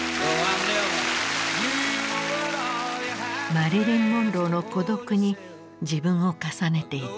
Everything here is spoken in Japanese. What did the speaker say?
マリリン・モンローの孤独に自分を重ねていた。